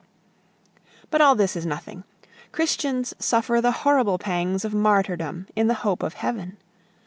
But all this is nothing; Christians suffer the horrible pangs of martyrdom in the hope of heaven.